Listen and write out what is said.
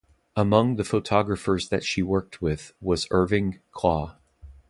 Among the photographers that she worked with was Irving Klaw.